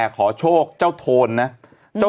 ขอโชคเจ้าโทนนะ